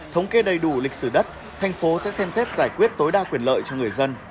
thống kê đầy đủ lịch sử đất thành phố sẽ xem xét giải quyết tối đa quyền lợi cho người dân